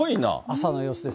朝の様子です。